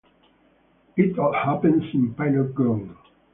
It all happens in Pilot Grove.